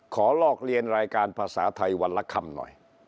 ลอกเรียนรายการภาษาไทยวันละคำหน่อย